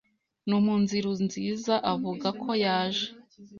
Numunsirunziza avuga ko yaje